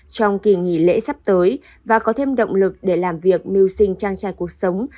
trong kỳ nghỉ lễ sắp tới và có thêm động lực để làm việc mưu sinh trang trải cuộc sống